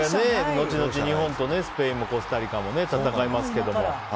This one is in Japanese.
後々、日本とスペインもコスタリカも戦いますけども。